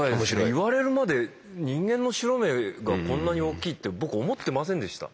言われるまで人間の白目がこんなに大きいって僕思ってませんでした。